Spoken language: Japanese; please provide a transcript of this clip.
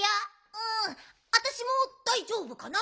うんわたしもだいじょうぶかな。